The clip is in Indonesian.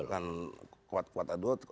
bukan kuat kuat aduh